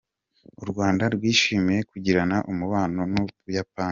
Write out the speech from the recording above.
U Rwanda rwishimiye kugirana umubano n’u Buyapani.